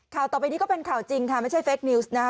ต่อไปนี้ก็เป็นข่าวจริงค่ะไม่ใช่เฟคนิวส์นะคะ